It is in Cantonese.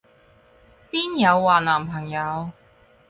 邊有話男朋友？